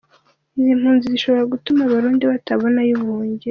Izi mpunzi zishobora gutuma Abarundi batabonayo ubuhungiro.